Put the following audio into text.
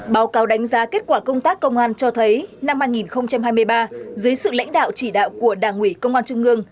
báo cáo đánh giá kết quả công tác công an cho thấy năm hai nghìn hai mươi ba dưới sự lãnh đạo chỉ đạo của đảng ủy công an trung ương